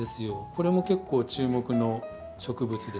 これも結構注目の植物ですかね。